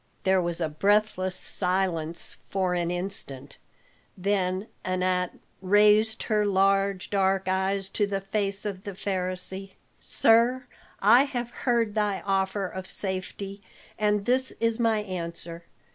There was a breathless silence for an instant, then Anat raised her large dark eyes to the face of the Pharisee. "Sir, I have heard thy offer of safety, and this is my answer.